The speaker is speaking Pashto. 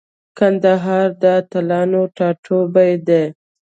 کندهار د اتلانو ټاټوبی دی.